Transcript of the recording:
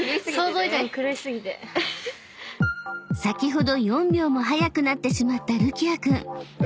［先ほど４秒も早くなってしまったるきあ君］